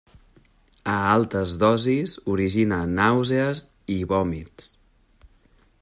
A altes dosis origina nàusees, i vòmits.